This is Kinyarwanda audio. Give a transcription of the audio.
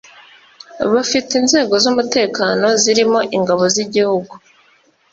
bafitiye inzego z umutekano zirimo Ingabo z Igihugu